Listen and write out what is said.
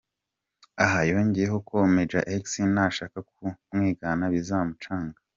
Aha yongeyeho ko Major X nashaka kumwigana `bizamucanga’.